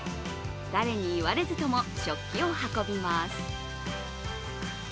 誰に言われずとも食器を運びます。